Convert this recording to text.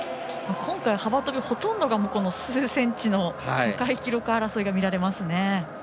今回、幅跳びほとんど数センチの世界記録争いが見られますね。